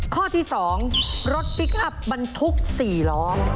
ข้อที่๒รถพลิกอัพบันทุกษ์๔หรอ